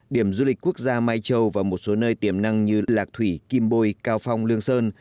điểm du lịch quốc gia mai châu và một số nơi tiềm năng như lạc thủy kim bôi cao phong lương sơn